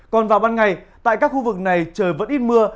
còn vào ban ngày tại các khu vực này trời vẫn ít mưa